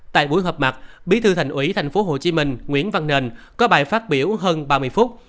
tại buổi họp mặt bí thư thành ủy tp hcm nguyễn văn nền có bài phát biểu hơn ba mươi phút